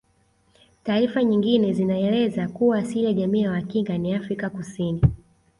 Taarifa nyingine zinaeleza kuwa asili ya jamii ya Wakinga ni Afrika Kusini